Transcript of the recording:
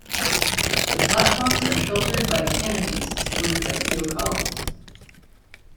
The platforms are sheltered by canopies supported by steel columns.